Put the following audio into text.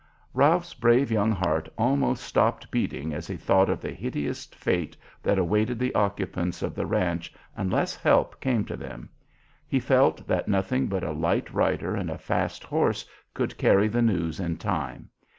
Ralph's brave young heart almost stopped beating as he thought of the hideous fate that awaited the occupants of the ranch unless help came to them. He felt that nothing but a light rider and a fast horse could carry the news in time.